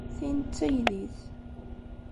Tin d taydit.